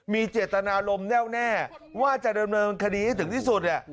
มีเจตนารมณ์แน่วแน่ว่าจะดำเนินคดีให้ถึงที่สุด